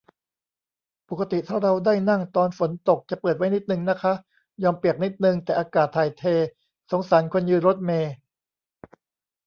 ปกติถ้าเราได้นั่งตอนฝนตก จะเปิดไว้นิดนึงนะคะ ยอมเปียกนิดนึง แต่อากาศถ่ายเท สงสารคนยืน รถเมล์